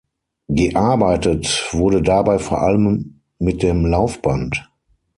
Gearbeitet wurde dabei vor allem mit dem Laufband.